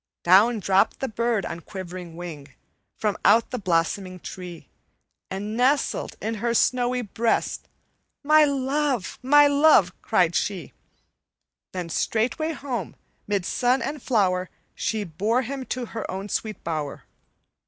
"Down dropped the bird on quivering wing, From out the blossoming tree, And nestled in her snowy breast. 'My love! my love!' cried she; Then straightway home, 'mid sun and flower, She bare him to her own sweet bower.